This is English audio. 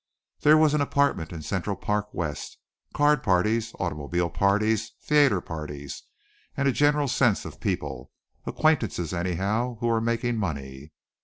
There was an apartment in Central Park West, card parties, automobile parties, theatre parties and a general sense of people acquaintances anyhow, who were making money.